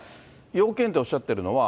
要件っておっしゃってるのは。